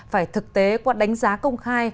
phải thực tế qua đánh giá công khai